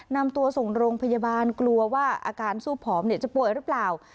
นำตัวส่งโรงพยาบาลกลัวว่าอาการสู้ผอมจะป่วยหรือเปล่า